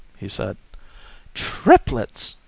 he said. "Triplets!"